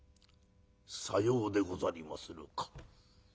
「さようでござりまするか。